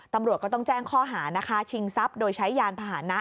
ตำรวจก็ต้องแจ้งข้อหานะคะชิงทรัพย์โดยใช้ยานพาหนะ